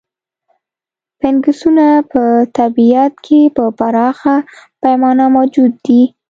فنګسونه په طبیعت کې په پراخه پیمانه موجود دي.